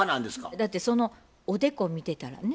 だってそのおでこ見てたらね。